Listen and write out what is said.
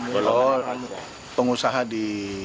kalau pengusaha di